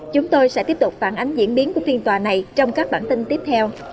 chúng tôi sẽ tiếp tục phản ánh diễn biến của phiên tòa này trong các bản tin tiếp theo